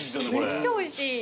めっちゃおいしい。